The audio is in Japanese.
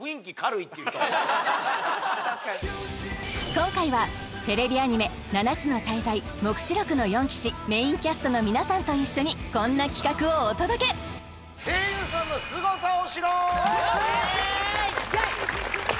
今回はテレビアニメ「七つの大罪黙示録の四騎士」メインキャストの皆さんと一緒にこんな企画をお届けイエーイ！